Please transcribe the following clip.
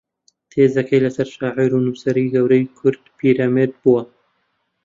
تێزەکەی لەسەر شاعیر و نووسەری گەورەی کورد پیرەمێرد بووە